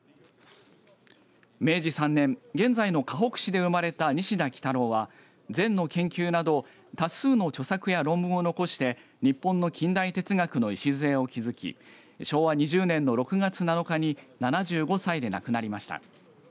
明治３年、現在のかほく市で生まれた西田幾多郎は善の研究など多数の著作や論文を残して日本の近代哲学の礎を築き昭和２０年の６月７日に７５歳で亡くなりました。